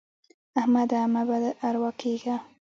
احمده مه بد اروا کېږه.